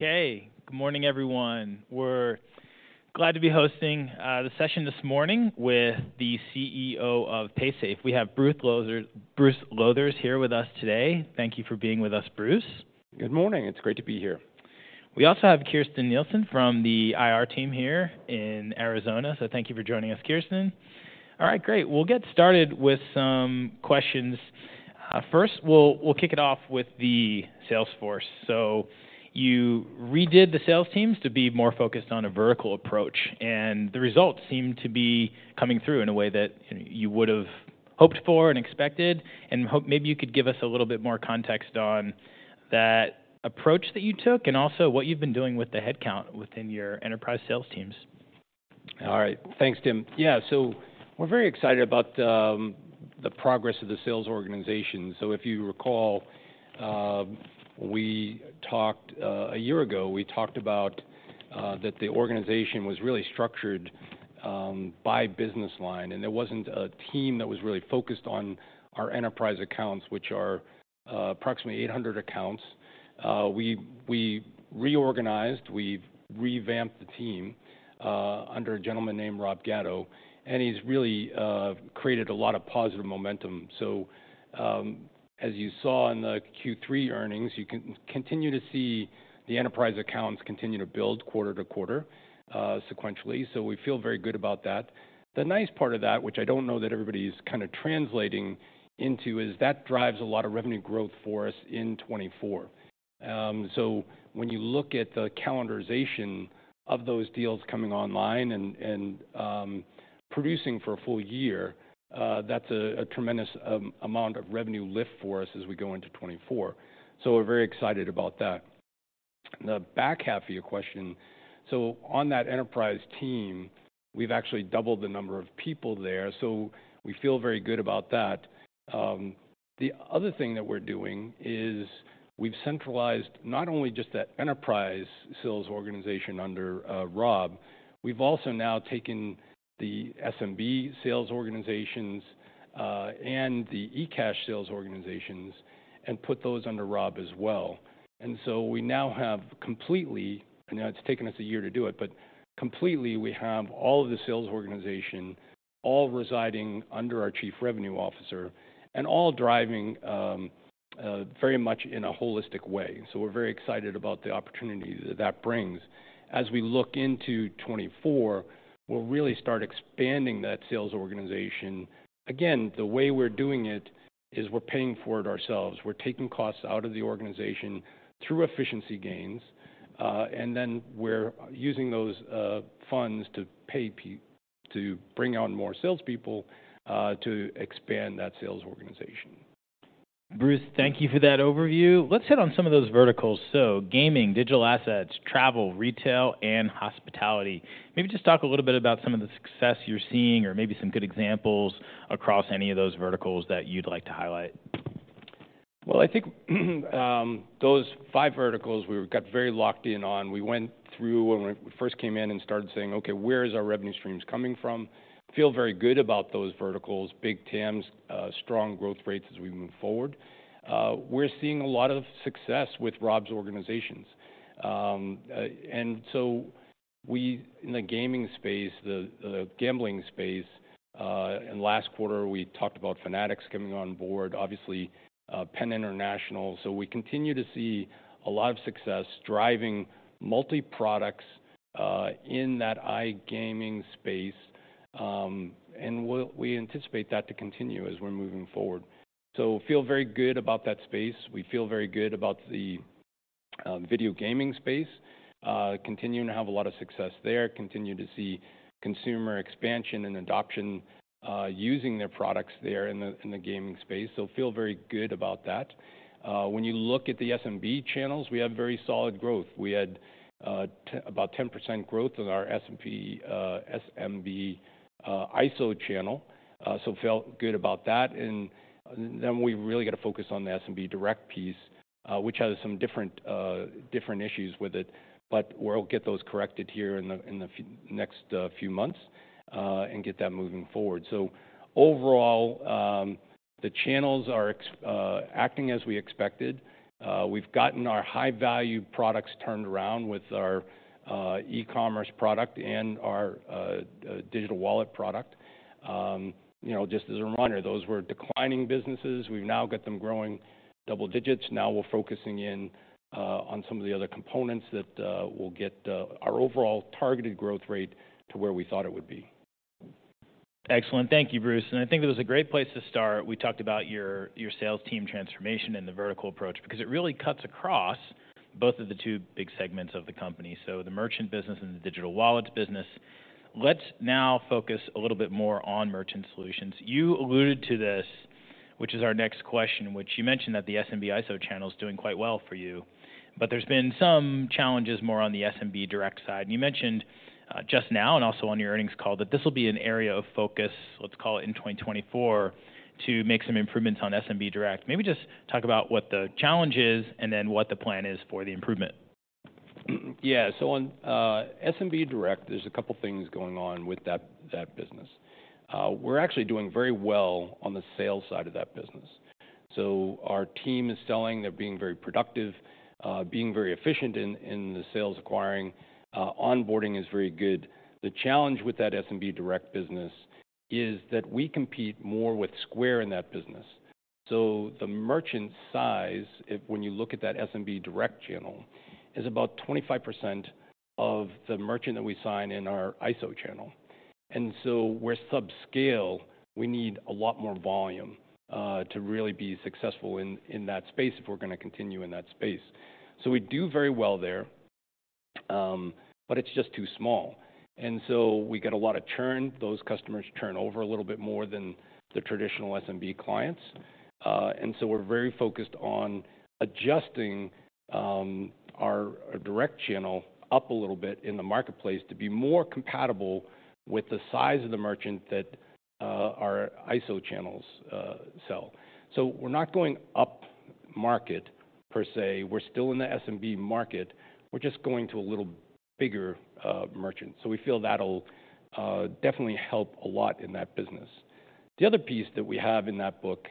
Okay. Good morning, everyone. We're glad to be hosting the session this morning with the CEO of Paysafe. We have Bruce Lowthers here with us today. Thank you for being with us, Bruce. Good morning. It's great to be here. We also have Kirsten Nielsen from the IR team here in Arizona, so thank you for joining us, Kirsten. All right, great! We'll get started with some questions. First, we'll kick it off with the sales force. So you redid the sales teams to be more focused on a vertical approach, and the results seem to be coming through in a way that, you know, you would've hoped for and expected. And maybe you could give us a little bit more context on that approach that you took and also what you've been doing with the headcount within your enterprise sales teams. All right. Thanks, Tim. Yeah, so we're very excited about the progress of the sales organization. So if you recall, a year ago, we talked about that the organization was really structured by business line, and there wasn't a team that was really focused on our enterprise accounts, which are approximately 800 accounts. We reorganized, we've revamped the team under a gentleman named Rob Gatto, and he's really created a lot of positive momentum. So, as you saw in the Q3 earnings, you can continue to see the enterprise accounts continue to build quarter to quarter sequentially, so we feel very good about that. The nice part of that, which I don't know that everybody's kinda translating into, is that drives a lot of revenue growth for us in 2024. So when you look at the calendarization of those deals coming online and producing for a full year, that's a tremendous amount of revenue lift for us as we go into 2024, so we're very excited about that. The back half of your question, so on that enterprise team, we've actually doubled the number of people there, so we feel very good about that. The other thing that we're doing is we've centralized not only just that enterprise sales organization under Rob, we've also now taken the SMB sales organizations and the eCash sales organizations and put those under Rob as well. And so we now have completely, I know it's taken us a year to do it, but completely, we have all of the sales organization all residing under our Chief Revenue Officer and all driving, very much in a holistic way. So we're very excited about the opportunity that that brings. As we look into 2024, we'll really start expanding that sales organization. Again, the way we're doing it is we're paying for it ourselves. We're taking costs out of the organization through efficiency gains, and then we're using those, funds to bring on more salespeople, to expand that sales organization. Bruce, thank you for that overview. Let's hit on some of those verticals. So gaming, digital assets, travel, retail, and hospitality. Maybe just talk a little bit about some of the success you're seeing or maybe some good examples across any of those verticals that you'd like to highlight. Well, I think those five verticals we got very locked in on. We went through when we first came in and started saying, "Okay, where is our revenue streams coming from?" Feel very good about those verticals, big TAMs, strong growth rates as we move forward. We're seeing a lot of success with Rob's organizations. And so we, in the gaming space, the gambling space, and last quarter, we talked about Fanatics coming on board, obviously, Penn National. So we continue to see a lot of success driving multi-products in that iGaming space, and we'll anticipate that to continue as we're moving forward. So feel very good about that space. We feel very good about the video gaming space. Continuing to have a lot of success there, continue to see consumer expansion and adoption, using their products there in the gaming space, so feel very good about that. When you look at the SMB channels, we have very solid growth. We had about 10% growth in our SMB ISO channel, so feel good about that. Then we've really got to focus on the SMB direct piece, which has some different issues with it, but we'll get those corrected here in the next few months, and get that moving forward. So overall, the channels are acting as we expected. We've gotten our high-value products turned around with our e-commerce product and our digital wallet product. you know, just as a reminder, those were declining businesses. We've now got them growing double digits. Now we're focusing in on some of the other components that will get our overall targeted growth rate to where we thought it would be. Excellent. Thank you, Bruce, and I think it was a great place to start. We talked about your sales team transformation and the vertical approach because it really cuts across both of the two big segments of the company, so the merchant business and the digital wallets business. Let's now focus a little bit more on merchant solutions. You alluded to this, which is our next question, in which you mentioned that the SMB ISO channel is doing quite well for you, but there's been some challenges more on the SMB direct side. You mentioned, just now, and also on your earnings call, that this will be an area of focus, let's call it, in 2024, to make some improvements on SMB direct. Maybe just talk about what the challenge is and then what the plan is for the improvement. Yeah. So on SMB direct, there's a couple things going on with that business. We're actually doing very well on the sales side of that business. So our team is selling, they're being very productive, being very efficient in the sales acquiring. Onboarding is very good. The challenge with that SMB direct business is that we compete more with Square in that business. So the merchant size, when you look at that SMB direct channel, is about 25% of the merchant that we sign in our ISO channel. And so we're subscale. We need a lot more volume to really be successful in that space if we're gonna continue in that space. So we do very well there, but it's just too small, and so we get a lot of churn. Those customers churn over a little bit more than the traditional SMB clients. And so we're very focused on adjusting our direct channel up a little bit in the marketplace to be more compatible with the size of the merchant that our ISO channels sell. So we're not going upmarket per se. We're still in the SMB market, we're just going to a little bigger merchant. So we feel that'll definitely help a lot in that business. The other piece that we have in that book,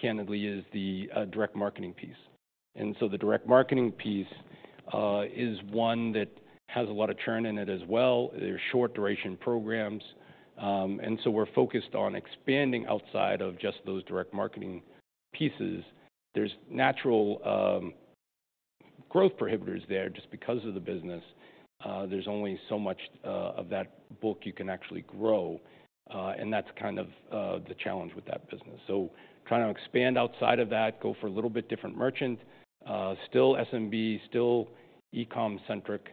candidly, is the direct marketing piece. And so the direct marketing piece is one that has a lot of churn in it as well. They're short-duration programs, and so we're focused on expanding outside of just those direct marketing pieces. There's natural growth prohibitors there just because of the business. There's only so much of that book you can actually grow, and that's kind of the challenge with that business. So trying to expand outside of that, go for a little bit different merchant, still SMB, still e-com centric,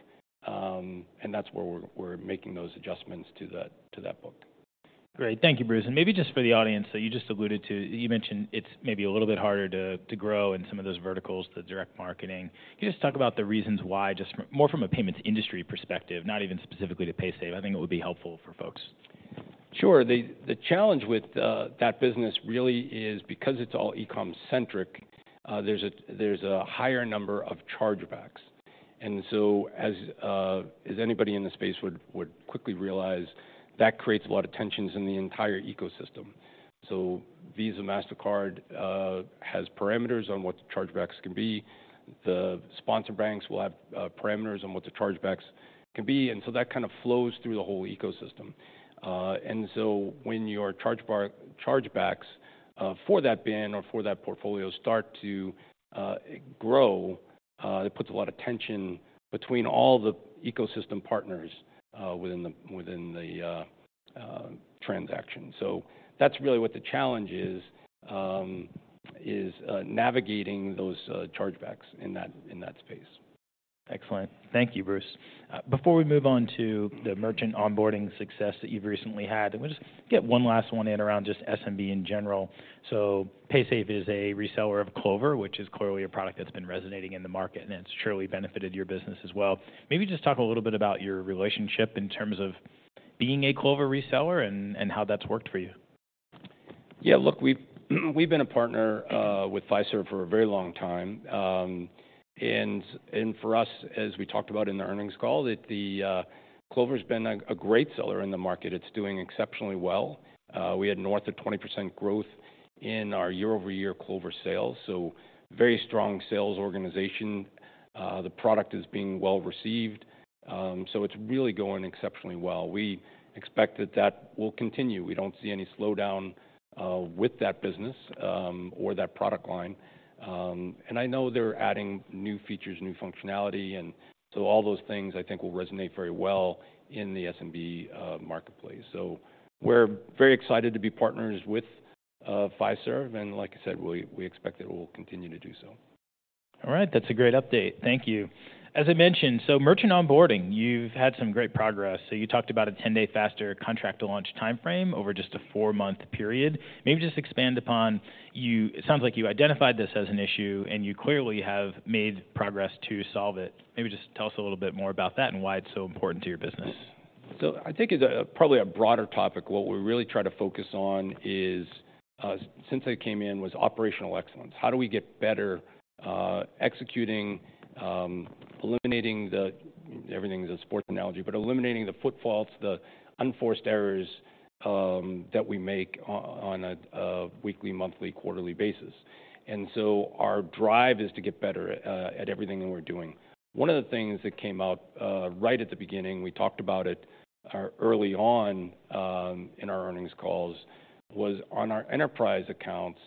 and that's where we're, we're making those adjustments to that, to that book. Great. Thank you, Bruce. And maybe just for the audience that you just alluded to, you mentioned it's maybe a little bit harder to, to grow in some of those verticals, the direct marketing. Can you just talk about the reasons why, just from... more from a payments industry perspective, not even specifically to Paysafe? I think it would be helpful for folks. Sure. The challenge with that business really is because it's all e-com centric, there's a higher number of chargebacks. And so as anybody in the space would quickly realize, that creates a lot of tensions in the entire ecosystem. So Visa, Mastercard has parameters on what the chargebacks can be. The sponsor banks will have parameters on what the chargebacks can be, and so that kind of flows through the whole ecosystem. And so when your chargebacks for that BIN or for that portfolio start to grow, it puts a lot of tension between all the ecosystem partners within the transaction. So that's really what the challenge is, navigating those chargebacks in that space. Excellent. Thank you, Bruce. Before we move on to the merchant onboarding success that you've recently had, let me just get one last one in around just SMB in general. So Paysafe is a reseller of Clover, which is clearly a product that's been resonating in the market, and it's surely benefited your business as well. Maybe just talk a little bit about your relationship in terms of being a Clover reseller and, and how that's worked for you. Yeah, look, we've been a partner with Fiserv for a very long time. And for us, as we talked about in the earnings call, that the Clover's been a great seller in the market. It's doing exceptionally well. We had north of 20% growth in our year-over-year Clover sales, so very strong sales organization. The product is being well received, so it's really going exceptionally well. We expect that that will continue. We don't see any slowdown with that business or that product line. And I know they're adding new features, new functionality, and so all those things, I think, will resonate very well in the SMB marketplace. So we're very excited to be partners with Fiserv, and like I said, we expect that we'll continue to do so. All right. That's a great update. Thank you. As I mentioned, merchant onboarding—you've had some great progress. You talked about a 10-day faster contract-to-launch timeframe over just a 4-month period. Maybe just expand upon you... It sounds like you identified this as an issue, and you clearly have made progress to solve it. Maybe just tell us a little bit more about that and why it's so important to your business. So I think it's probably a broader topic. What we really try to focus on is, since I came in, was operational excellence. How do we get better executing eliminating the... Everything's a sports analogy, but eliminating the foot faults, the unforced errors that we make on a weekly, monthly, quarterly basis. And so our drive is to get better at everything that we're doing. One of the things that came out right at the beginning, we talked about it early on in our earnings calls, was on our enterprise accounts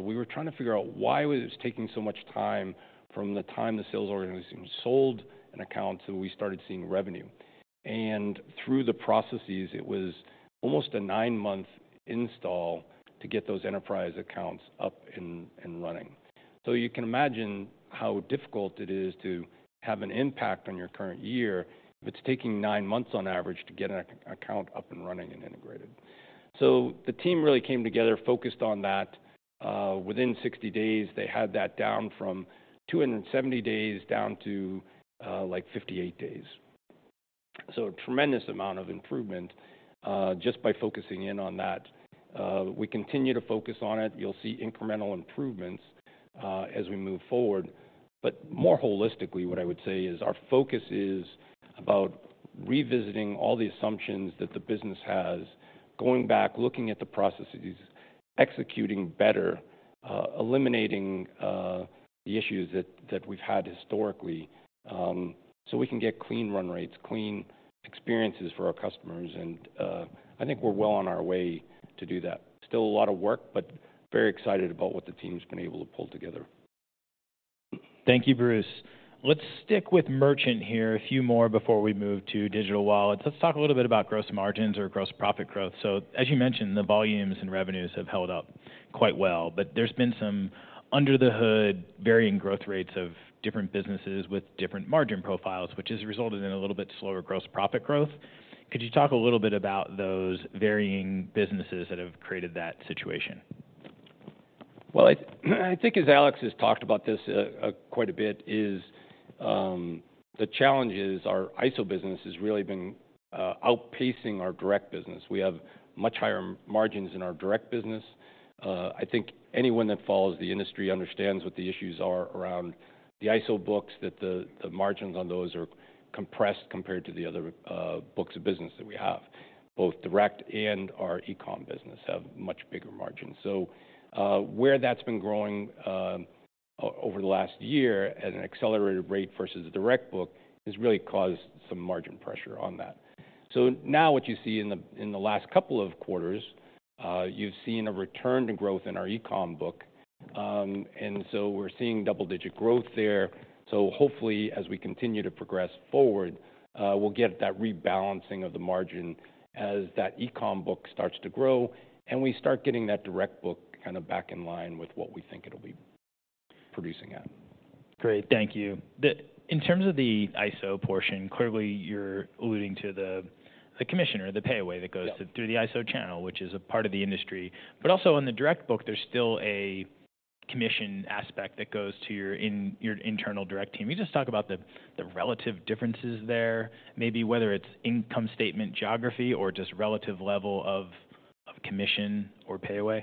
we were trying to figure out why it was taking so much time from the time the sales organization sold an account to we started seeing revenue. And through the processes, it was almost a 9-month install to get those enterprise accounts up and running. So you can imagine how difficult it is to have an impact on your current year if it's taking 9 months on average to get an a- account up and running and integrated. So the team really came together, focused on that. Within 60 days, they had that down from 270 days down to, like 58 days. So a tremendous amount of improvement, just by focusing in on that. We continue to focus on it. You'll see incremental improvements... as we move forward. But more holistically, what I would say is our focus is about revisiting all the assumptions that the business has, going back, looking at the processes, executing better, eliminating the issues that we've had historically, so we can get clean run rates, clean experiences for our customers, and I think we're well on our way to do that. Still a lot of work, but very excited about what the team's been able to pull together. Thank you, Bruce. Let's stick with merchant here a few more before we move to digital wallets. Let's talk a little bit about gross margins or gross profit growth. So as you mentioned, the volumes and revenues have held up quite well, but there's been some under the hood, varying growth rates of different businesses with different margin profiles, which has resulted in a little bit slower gross profit growth. Could you talk a little bit about those varying businesses that have created that situation? Well, I think as Alex has talked about this quite a bit, the challenge is our ISO business has really been outpacing our direct business. We have much higher margins in our direct business. I think anyone that follows the industry understands what the issues are around the ISO books, that the margins on those are compressed compared to the other books of business that we have. Both direct and our e-com business have much bigger margins. So, where that's been growing over the last year at an accelerated rate versus the direct book, has really caused some margin pressure on that. So now what you see in the last couple of quarters, you've seen a return to growth in our e-com book. And so we're seeing double-digit growth there. Hopefully, as we continue to progress forward, we'll get that rebalancing of the margin as that e-com book starts to grow, and we start getting that direct book kind of back in line with what we think it'll be producing at. Great. Thank you. In terms of the ISO portion, clearly you're alluding to the commission, the payaway, that goes- Yeah... through the ISO channel, which is a part of the industry. But also in the direct book, there's still a commission aspect that goes to your internal direct team. Can you just talk about the relative differences there? Maybe whether it's income statement geography or just relative level of commission or payaway.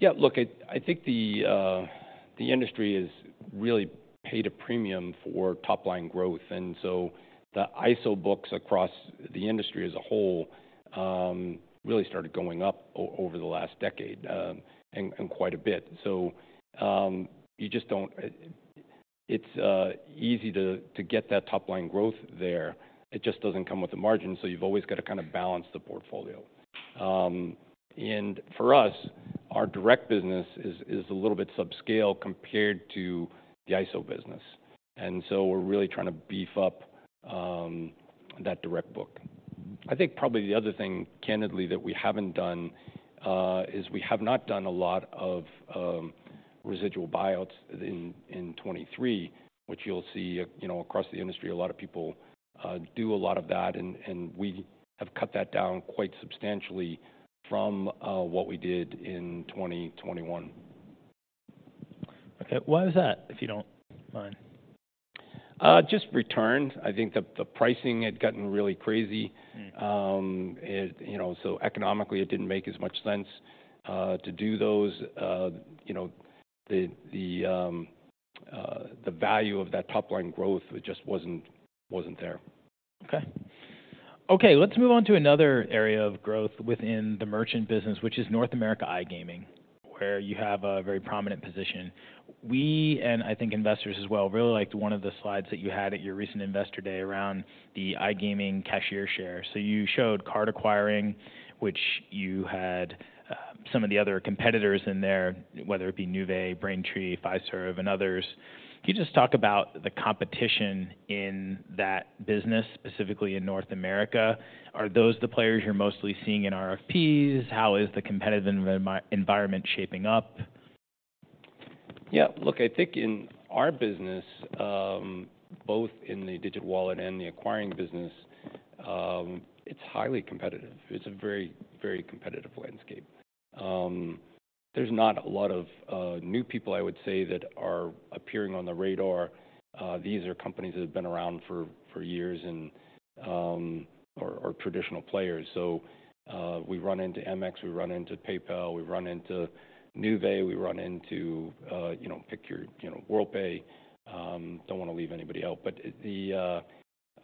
Yeah, look, I think the industry has really paid a premium for top-line growth, and so the ISO books across the industry as a whole really started going up over the last decade and quite a bit. So, you just don't. It's easy to get that top-line growth there. It just doesn't come with a margin, so you've always got to kinda balance the portfolio. And for us, our direct business is a little bit subscale compared to the ISO business, and so we're really trying to beef up that direct book. I think probably the other thing, candidly, that we haven't done is we have not done a lot of residual buyout in 2023, which you'll see, you know, across the industry, a lot of people do a lot of that, and we have cut that down quite substantially from what we did in 2021. Okay. Why is that? If you don't mind. Just returns. I think the pricing had gotten really crazy. Mm. You know, so economically, it didn't make as much sense to do those. You know, the value of that top-line growth just wasn't there. Okay. Okay, let's move on to another area of growth within the merchant business, which is North America iGaming, where you have a very prominent position. We, and I think investors as well, really liked one of the slides that you had at your recent Investor Day around the iGaming cashier share. So you showed card acquiring, which you had some of the other competitors in there, whether it be Nuvei, Braintree, Fiserv, and others. Can you just talk about the competition in that business, specifically in North America? Are those the players you're mostly seeing in RFPs? How is the competitive environment shaping up? Yeah, look, I think in our business, both in the digital wallet and the acquiring business, it's highly competitive. It's a very, very competitive landscape. There's not a lot of new people, I would say, that are appearing on the radar. These are companies that have been around for years and are traditional players. So we run into Amex, we run into PayPal, we run into Nuvei, we run into, you know, pick your... You know, Worldpay. Don't wanna leave anybody out. But the...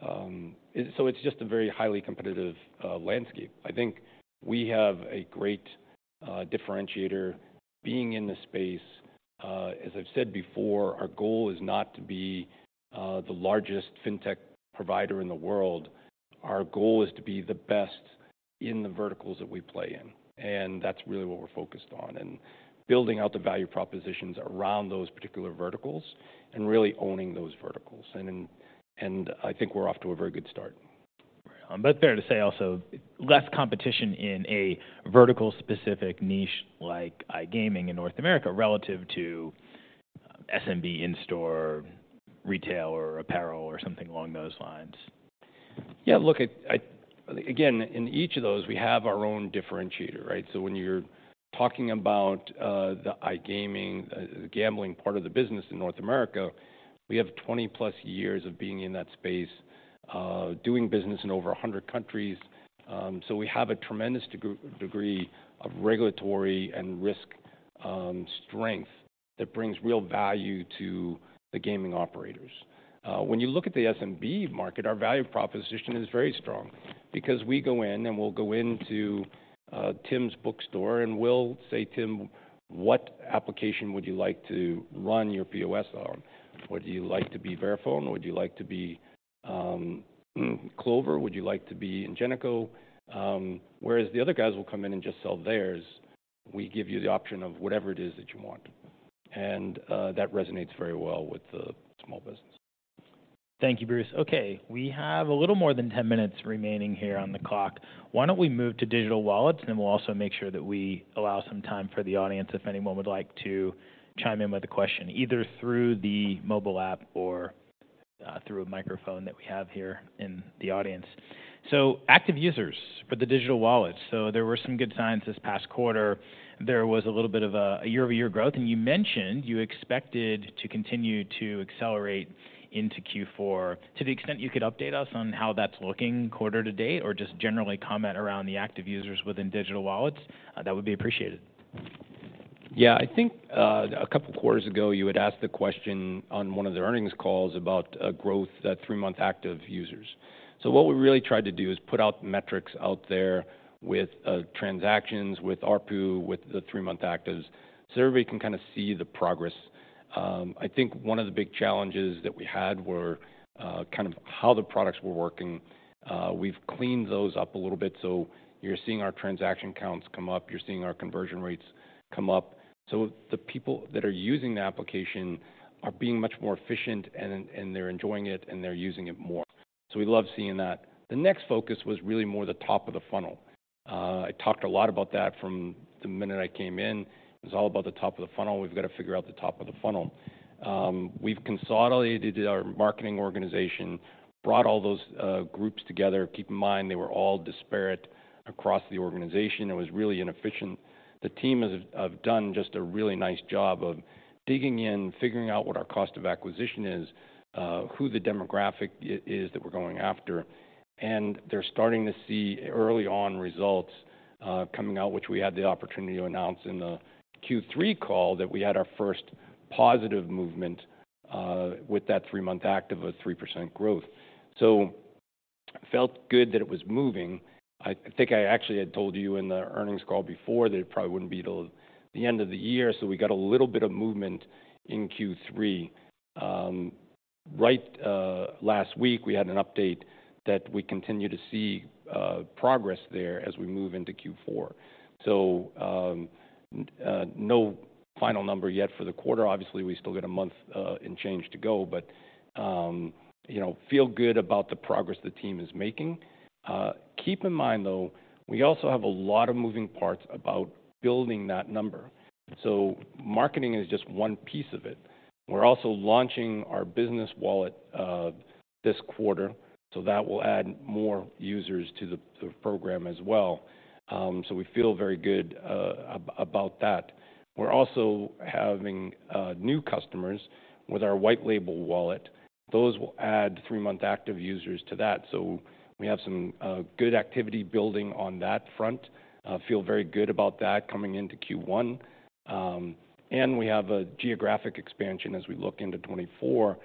So it's just a very highly competitive landscape. I think we have a great differentiator being in the space. As I've said before, our goal is not to be the largest fintech provider in the world. Our goal is to be the best in the verticals that we play in, and that's really what we're focused on, and building out the value propositions around those particular verticals and really owning those verticals. And I think we're off to a very good start. Right. But fair to say, also, less competition in a vertical-specific niche like iGaming in North America, relative to SMB, in-store, retail, or apparel, or something along those lines. Yeah, look, again, in each of those, we have our own differentiator, right? So when you're talking about the iGaming, the gambling part of the business in North America, we have 20+ years of being in that space, doing business in over 100 countries. So we have a tremendous degree of regulatory and risk strength that brings real value to the gaming operators. When you look at the SMB market, our value proposition is very strong because we go in, and we'll go into Tim's bookstore, and we'll say, "Tim, what application would you like to run your POS on? Would you like to be Verifone, or would you like to be Clover? Would you like to be Ingenico? Whereas the other guys will come in and just sell theirs, we give you the option of whatever it is that you want, and that resonates very well with the small business. Thank you, Bruce. Okay, we have a little more than 10 minutes remaining here on the clock. Why don't we move to digital wallets, and we'll also make sure that we allow some time for the audience if anyone would like to chime in with a question, either through the mobile app or through a microphone that we have here in the audience. So active users for the digital wallet. So there were some good signs this past quarter. There was a little bit of a year-over-year growth, and you mentioned you expected to continue to accelerate into Q4. To the extent you could update us on how that's looking quarter to date or just generally comment around the active users within digital wallets, that would be appreciated. Yeah. I think, a couple quarters ago, you had asked the question on one of the earnings calls about, growth, that three-month active users. So what we really tried to do is put out metrics out there with, transactions, with ARPU, with the three-month actives, so everybody can kinda see the progress. I think one of the big challenges that we had were, kind of how the products were working. We've cleaned those up a little bit, so you're seeing our transaction counts come up. You're seeing our conversion rates come up. So the people that are using the application are being much more efficient, and, and they're enjoying it, and they're using it more, so we love seeing that. The next focus was really more the top of the funnel. I talked a lot about that from the minute I came in. It was all about the top of the funnel. We've got to figure out the top of the funnel. We've consolidated our marketing organization, brought all those groups together. Keep in mind, they were all disparate across the organization. It was really inefficient. The team has, have done just a really nice job of digging in, figuring out what our cost of acquisition is, who the demographic is that we're going after, and they're starting to see early on results coming out, which we had the opportunity to announce in the Q3 call, that we had our first positive movement with that three-month active of 3% growth. So felt good that it was moving. I think I actually had told you in the earnings call before that it probably wouldn't be till the end of the year, so we got a little bit of movement in Q3. Right, last week, we had an update that we continue to see progress there as we move into Q4. So, no final number yet for the quarter. Obviously, we still got a month and change to go, but, you know, feel good about the progress the team is making. Keep in mind, though, we also have a lot of moving parts about building that number, so marketing is just one piece of it. We're also launching our business wallet this quarter, so that will add more users to the program as well. So we feel very good about that. We're also having new customers with our white label wallet. Those will add three-month active users to that, so we have some good activity building on that front. Feel very good about that coming into Q1. And we have a geographic expansion as we look into 2024,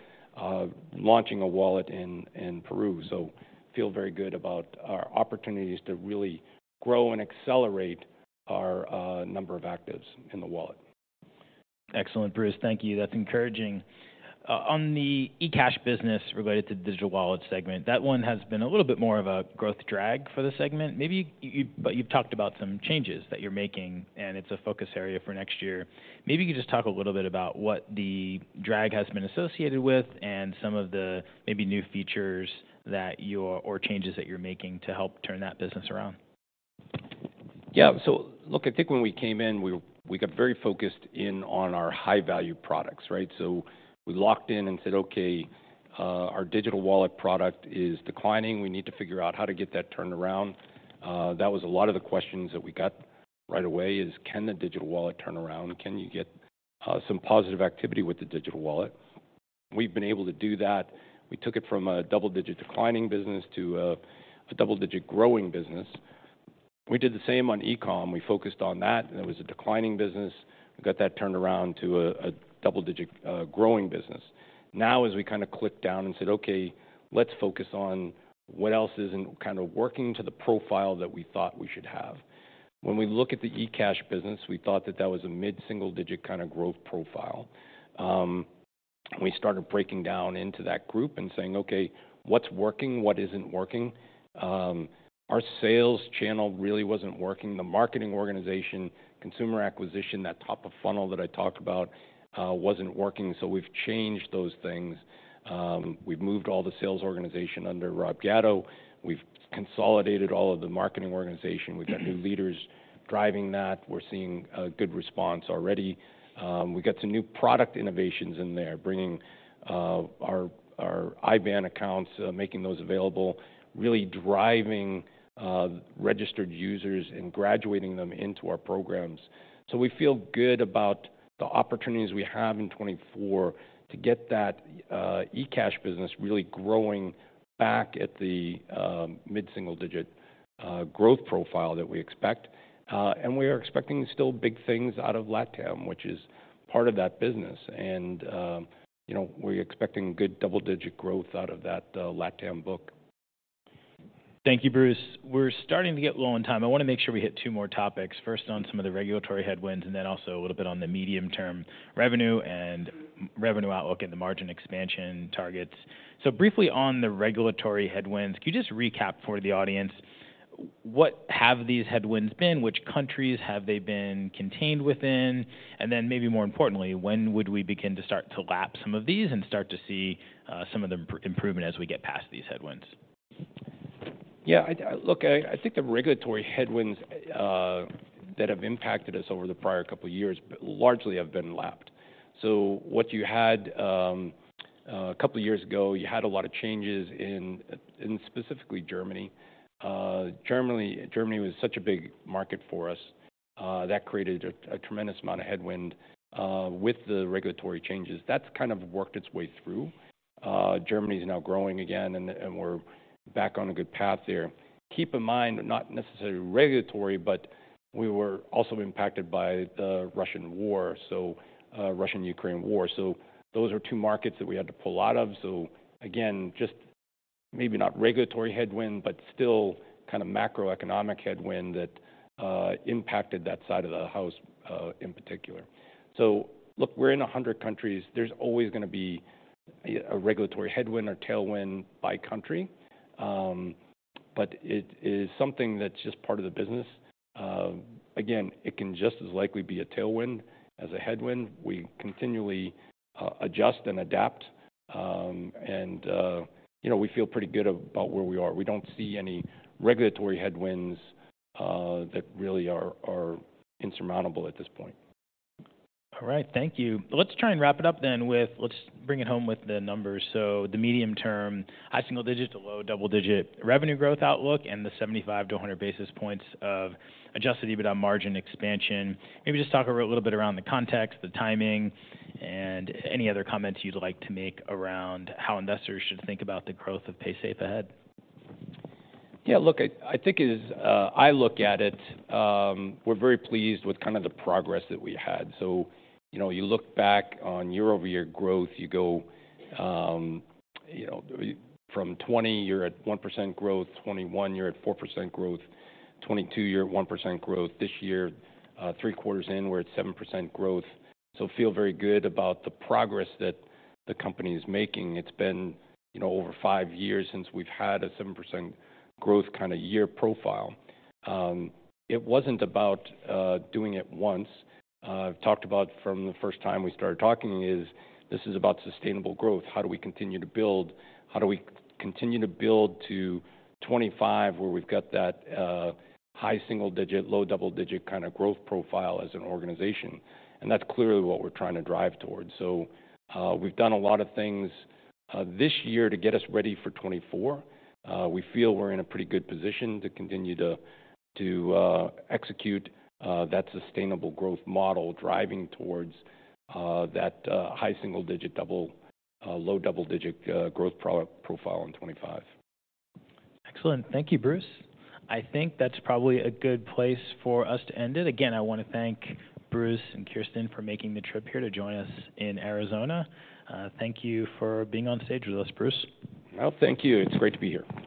launching a wallet in Peru, so feel very good about our opportunities to really grow and accelerate our number of actives in the wallet. Excellent, Bruce. Thank you. That's encouraging. On the eCash business related to digital wallet segment, that one has been a little bit more of a growth drag for the segment. Maybe but you've talked about some changes that you're making, and it's a focus area for next year. Maybe you could just talk a little bit about what the drag has been associated with and some of the maybe new features that you're or changes that you're making to help turn that business around. Yeah. So look, I think when we came in, we got very focused in on our high-value products, right? So we locked in and said, "Okay, our digital wallet product is declining. We need to figure out how to get that turned around." That was a lot of the questions that we got right away is: Can the digital wallet turn around? Can you get some positive activity with the digital wallet? We've been able to do that. We took it from a double-digit declining business to a double-digit growing business. We did the same on e-com. We focused on that, and it was a declining business. We got that turned around to a double-digit growing business. Now, as we kind of clicked down and said, "Okay, let's focus on what else isn't kind of working to the profile that we thought we should have," when we look at the eCash business, we thought that that was a mid-single-digit kind of growth profile. We started breaking down into that group and saying, "Okay, what's working? What isn't working?" Our sales channel really wasn't working. The marketing organization, consumer acquisition, that top of funnel that I talked about, wasn't working, so we've changed those things. We've moved all the sales organization under Rob Gatto. We've consolidated all of the marketing organization. Mm-hmm. We've got new leaders driving that. We're seeing a good response already. We got some new product innovations in there, bringing our IBAN accounts, making those available, really driving registered users and graduating them into our programs. So we feel good about the opportunities we have in 2024 to get that eCash business really growing back at the mid-single-digit growth profile that we expect. And we are expecting still big things out of Latam, which is part of that business. And you know, we're expecting good double-digit growth out of that Latam book. ... Thank you, Bruce. We're starting to get low on time. I wanna make sure we hit two more topics. First, on some of the regulatory headwinds, and then also a little bit on the medium-term revenue and revenue outlook and the margin expansion targets. So briefly, on the regulatory headwinds, can you just recap for the audience what have these headwinds been? Which countries have they been contained within? And then maybe more importantly, when would we begin to start to lap some of these and start to see some of the improvement as we get past these headwinds? Yeah, I... Look, I think the regulatory headwinds that have impacted us over the prior couple of years largely have been lapped. So what you had a couple of years ago, you had a lot of changes in specifically Germany. Germany, Germany was such a big market for us that created a tremendous amount of headwind with the regulatory changes. That's kind of worked its way through. Germany is now growing again, and we're back on a good path there. Keep in mind, not necessarily regulatory, but we were also impacted by the Russian war, so Russian-Ukrainian war. So those are two markets that we had to pull out of. So again, just maybe not regulatory headwind, but still kind of macroeconomic headwind that impacted that side of the house in particular. Look, we're in 100 countries, there's always gonna be a regulatory headwind or tailwind by country. But it is something that's just part of the business. Again, it can just as likely be a tailwind as a headwind. We continually adjust and adapt, and you know, we feel pretty good about where we are. We don't see any regulatory headwinds that really are insurmountable at this point. All right. Thank you. Let's try and wrap it up then with... Let's bring it home with the numbers. So the medium term, high single digit to low double-digit revenue growth outlook and the 75-100 basis points of adjusted EBITDA margin expansion. Maybe just talk a little bit around the context, the timing, and any other comments you'd like to make around how investors should think about the growth of Paysafe ahead. Yeah, look, I think as I look at it, we're very pleased with kind of the progress that we had. So, you know, you look back on year-over-year growth, you go, you know, from 2020, you're at 1% growth, 2021, you're at 4% growth, 2022, you're at 1% growth. This year, three quarters in, we're at 7% growth. So feel very good about the progress that the company is making. It's been, you know, over 5 years since we've had a 7% growth kind of year profile. It wasn't about doing it once. I've talked about from the first time we started talking is, this is about sustainable growth. How do we continue to build? How do we continue to build to 2025, where we've got that high single-digit, low double-digit kind of growth profile as an organization? That's clearly what we're trying to drive towards. We've done a lot of things this year to get us ready for 2024. We feel we're in a pretty good position to continue to execute that sustainable growth model, driving towards that high single-digit, low double-digit growth profile in 2025. Excellent. Thank you, Bruce. I think that's probably a good place for us to end it. Again, I wanna thank Bruce and Kirsten for making the trip here to join us in Arizona. Thank you for being on stage with us, Bruce. Well, thank you. It's great to be here.